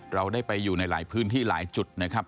เราได้ไปอยู่ในหลายพื้นที่หลายจุดนะครับ